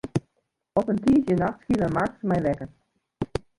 Op in tiisdeitenacht skille Markus my wekker.